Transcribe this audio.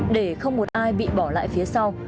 để không một ai bị bỏ lại phía sau